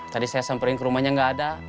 tadi saya samperin ke rumahnya nggak ada